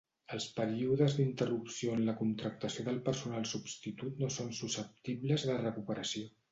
Els períodes d'interrupció en la contractació del personal substitut no són susceptibles de recuperació.